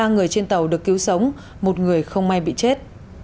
bốn mươi ba người trên tàu được cứu sống một người không may bị chết